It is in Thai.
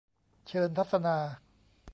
เชิญทัศนา